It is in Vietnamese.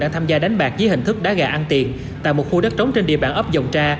đã tham gia đánh bạc dưới hình thức đá gà ăn tiền tại một khu đất trống trên địa bàn ấp dòng tra